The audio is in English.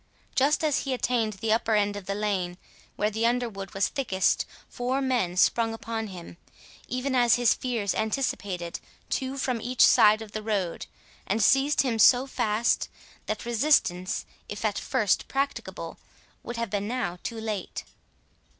Just as he had attained the upper end of the lane, where the underwood was thickest, four men sprung upon him, even as his fears anticipated, two from each side of the road, and seized him so fast, that resistance, if at first practicable, would have been now too late.